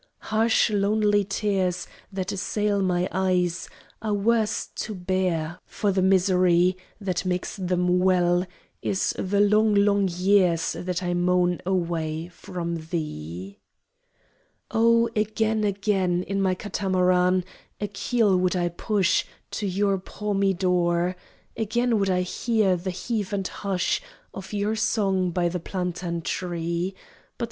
Harsh lonely tears That assail my eyes Are worse to bear, For the misery That makes them well Is the long, long years That I moan away from thee! O again, again, In my katamaran A keel would I push To your palmy door! Again would I hear The heave and hush Of your song by the plantain tree.